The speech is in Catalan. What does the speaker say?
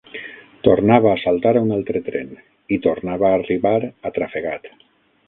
Tornava a saltar a un altre tren, i tornava a arribar atrafegat